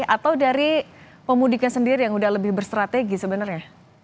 atau dari pemudiknya sendiri yang sudah lebih berstrategi sebenarnya